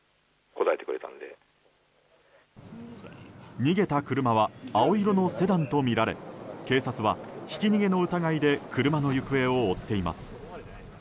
逃げた車は青色のセダンとみられ警察はひき逃げの疑いで車の行方を追っています。